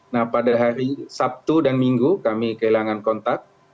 nah pada hari sabtu dan minggu kami kehilangan kontak